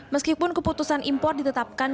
meskipun keputusan impor ditetapkan